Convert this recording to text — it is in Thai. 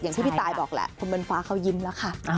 ที่พี่ตายบอกแหละคุณบนฟ้าเขายิ้มแล้วค่ะ